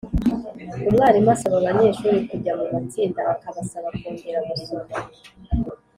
Umwarimu asaba abanyeshuri kujya mu matsinda akabasaba kongera gusoma